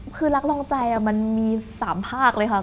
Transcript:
คือรักรองใจมันมี๓ภาคเลยค่ะ